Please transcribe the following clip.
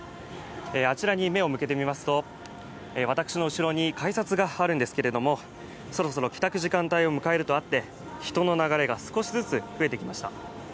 あちらに目を向けてみますと、私の後ろに改札があるんですけれども、そろそろ帰宅時間帯を迎えるとあって人の流れが少しずつ増えてきました。